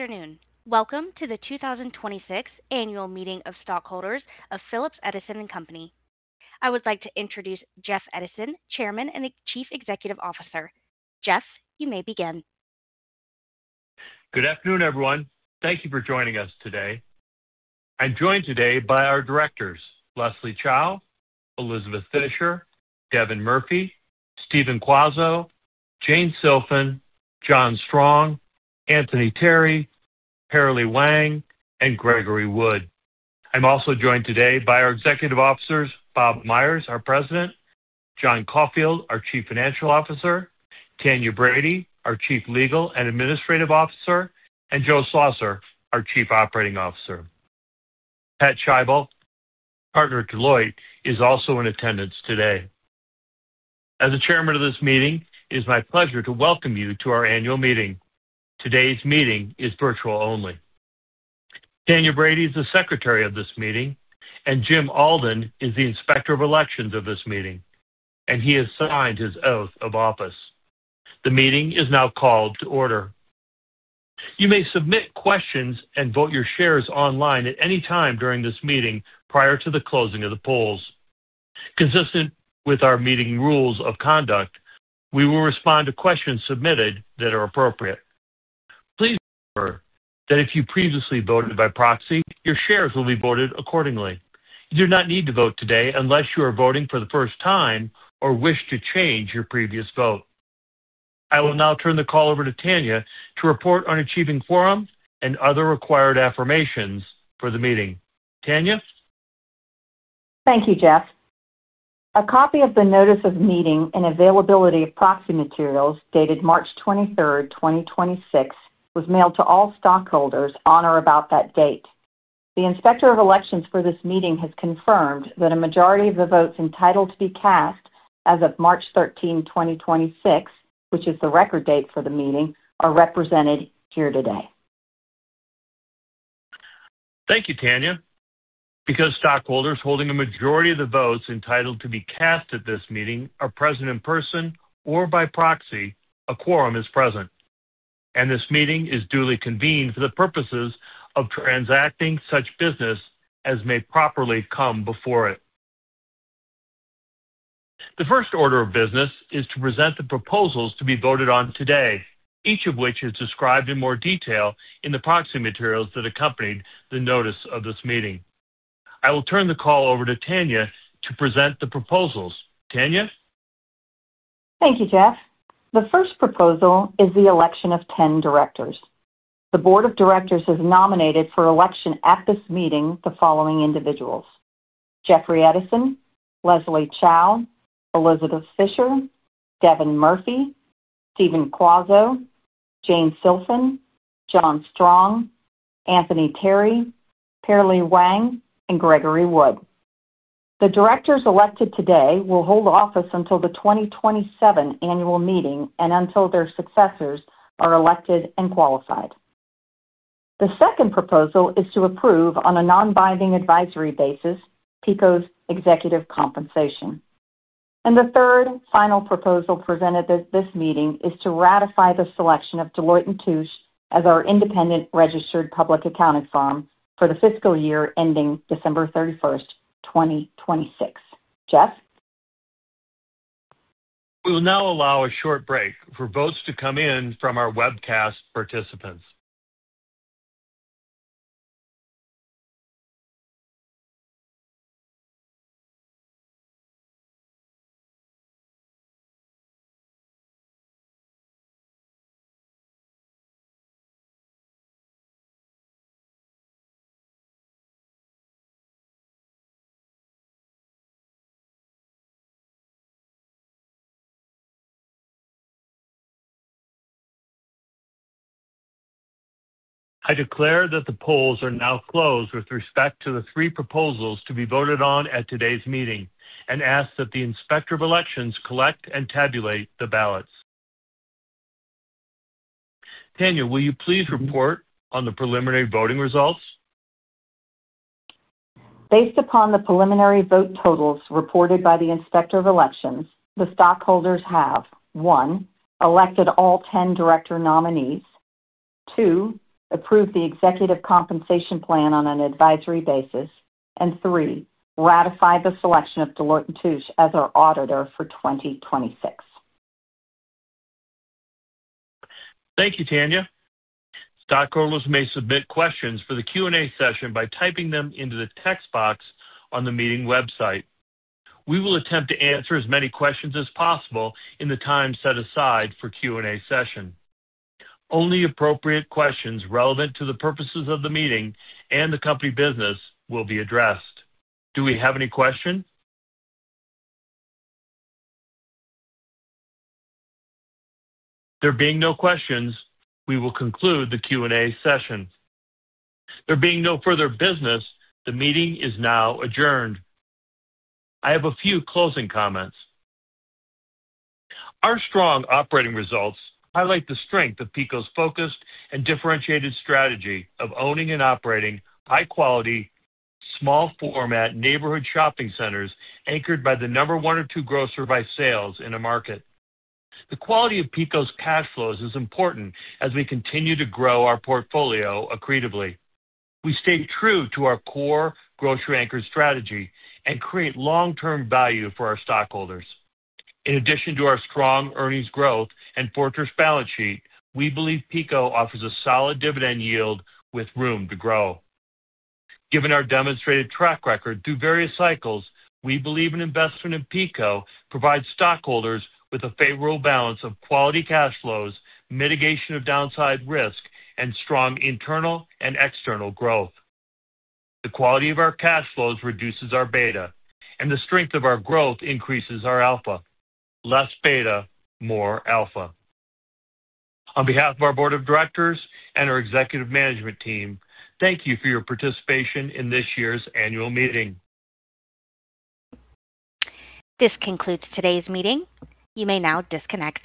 Afternoon. Welcome to the 2026 Annual Meeting of Stockholders of Phillips Edison & Company. I would like to introduce Jeff Edison, Chairman and Chief Executive Officer. Jeff, you may begin. Good afternoon, everyone. Thank you for joining us today. I'm joined today by our directors, Leslie Chao, Elizabeth Fischer, Devin Murphy, Stephen Quazzo, Jane Silfen, John Strong, Anthony Terry, Parilee Edison Wang, and Gregory Wood. I'm also joined today by our executive officers, Robert Myers, our President, John Caulfield, our Chief Financial Officer, Tanya Brady, our Chief Legal and Administrative Officer, and Joe Schlosser, our Chief Operating Officer. Pat Schaible, partner at Deloitte, is also in attendance today. As the chairman of this meeting, it is my pleasure to welcome you to our annual meeting. Today's meeting is virtual only. Tanya Brady is the secretary of this meeting, and Jim Alden is the inspector of elections of this meeting, and he has signed his oath of office. The meeting is now called to order. You may submit questions and vote your shares online at any time during this meeting prior to the closing of the polls. Consistent with our meeting rules of conduct, we will respond to questions submitted that are appropriate. Please remember that if you previously voted by proxy, your shares will be voted accordingly. You do not need to vote today unless you are voting for the first time or wish to change your previous vote. I will now turn the call over to Tanya to report on achieving quorum and other required affirmations for the meeting. Tanya. Thank you, Jeff. A copy of the notice of meeting and availability of proxy materials dated March 23rd, 2026, was mailed to all stockholders on or about that date. The Inspector of Elections for this meeting has confirmed that a majority of the votes entitled to be cast as of March 13, 2026, which is the record date for the meeting, are represented here today. Thank you, Tanya. Because stockholders holding a majority of the votes entitled to be cast at this meeting are present in person or by proxy, a quorum is present, and this meeting is duly convened for the purposes of transacting such business as may properly come before it. The first order of business is to present the proposals to be voted on today, each of which is described in more detail in the proxy materials that accompanied the notice of this meeting. I will turn the call over to Tanya to present the proposals. Tanya. Thank you, Jeff. The first proposal is the election of 10 directors. The board of directors has nominated for election at this meeting the following individuals: Jeffrey Edison, Leslie Chao, Elizabeth Fischer, Devin Murphy, Stephen Quazzo, Jane Silfen, John Strong, Anthony Terry, Parilee Edison Wang, and Gregory Wood. The directors elected today will hold office until the 2027 Annual Meeting and until their successors are elected and qualified. The second proposal is to approve on a non-binding advisory basis, PECO's executive compensation. The third and final proposal presented at this meeting is to ratify the selection of Deloitte & Touche as our independent registered public accounting firm for the fiscal year ending December 31st, 2026. Jeff. We will now allow a short break for votes to come in from our webcast participants. I declare that the polls are now closed with respect to the three proposals to be voted on at today's meeting and ask that the Inspector of Elections collect and tabulate the ballots. Tanya, will you please report on the preliminary voting results? Based upon the preliminary vote totals reported by the Inspector of Elections, the stockholders have, one, elected all 10 director nominees, two, approved the executive compensation plan on an advisory basis, and three, ratified the selection of Deloitte & Touche as our auditor for 2026. Thank you, Tanya. Stockholders may submit questions for the Q&A session by typing them into the text box on the meeting website. We will attempt to answer as many questions as possible in the time set aside for Q&A session. Only appropriate questions relevant to the purposes of the meeting and the company business will be addressed. Do we have any questions? There being no questions, we will conclude the Q&A session. There being no further business, the meeting is now adjourned. I have a few closing comments. Our strong operating results highlight the strength of PECO's focused and differentiated strategy of owning and operating high-quality, small-format neighborhood shopping centers anchored by the number one or two grocer by sales in a market. The quality of PECO's cash flows is important as we continue to grow our portfolio accretively. We stay true to our core grocery anchor strategy and create long-term value for our stockholders. In addition to our strong earnings growth and fortress balance sheet, we believe PECO offers a solid dividend yield with room to grow. Given our demonstrated track record through various cycles, we believe an investment in PECO provides stockholders with a favorable balance of quality cash flows, mitigation of downside risk, and strong internal and external growth. The quality of our cash flows reduces our beta, and the strength of our growth increases our alpha. Less beta, more alpha. On behalf of our board of directors and our executive management team, thank you for your participation in this year's annual meeting. This concludes today's meeting. You may now disconnect.